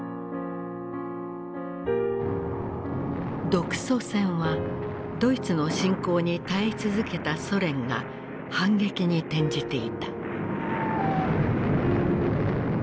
独ソ戦はドイツの侵攻に耐え続けたソ連が反撃に転じていた。